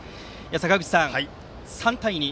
坂口さん、３対２。